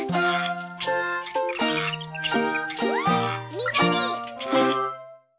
みどり！